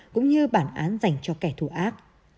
cũng như bản án dành cho kẻ thù ác